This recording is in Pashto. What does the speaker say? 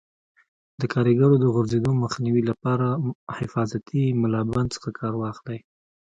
د کاریګرو د غورځېدو مخنیوي لپاره حفاظتي ملابند څخه کار واخلئ.